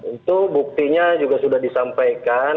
itu buktinya juga sudah disampaikan